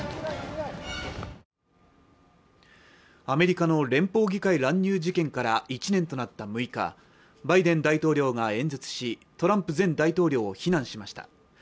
アメリカの連邦議会乱入事件から１年となった６日バイデン大統領が演説しトランプ前大統領を非難しました